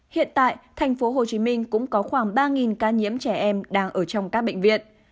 hiện tại thành phố hồ chí minh cũng có khoảng ba ca nhiễm trẻ em đang ở trong các bệnh viện